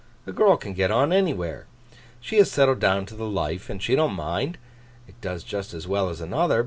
A girl can get on anywhere. She has settled down to the life, and she don't mind. It does just as well as another.